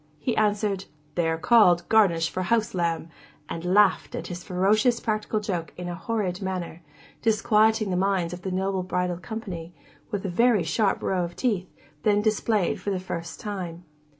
he answered, 'They are called Garnish for house lamb,' and laughed at his ferocious practical joke in a horrid manner, disquieting the minds of the noble bridal company, with a very sharp show of teeth, then displayed for the first time.